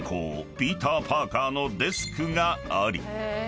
ピーター・パーカーのデスクがあり］